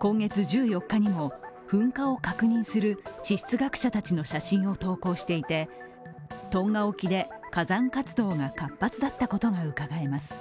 今月１４日にも噴火を確認する地質学者たちの写真を投稿していてトンガ沖で火山活動が活発だったことがうかがえます。